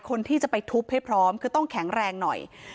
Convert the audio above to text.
คนที่จะไปทุบให้พร้อมคือต้องแข็งแรงหน่อย